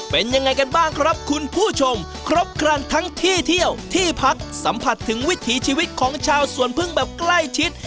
เป็นยังไงกันบ้างครับคุณผู้ชมครบครันทั้งที่เที่ยวที่พักสัมผัสถึงวิถีชีวิตของชาวสวนพึ่งแบบใกล้ชิด